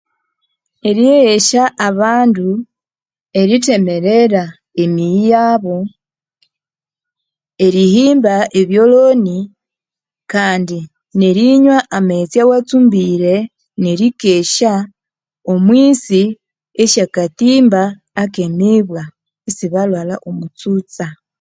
Eryeghesya abandu eri themerera emiyi yabu nerihimba ebyoloni Kandi nerinywa amaghetse awatsumbire nerikesya omwisi esye katimba ekemibwa isi balhwalha omutsutsa